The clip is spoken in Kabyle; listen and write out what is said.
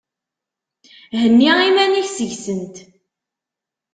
Henni iman-ik seg-sent!